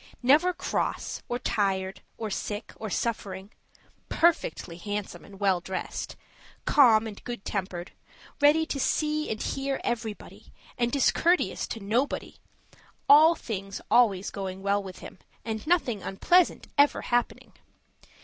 Never cross, or tired, or sick, or suffering; perfectly handsome and well dressed, calm and good tempered, ready to see and hear everybody, and discourteous to nobody; all things always going well with him, and nothing unpleasant ever happening.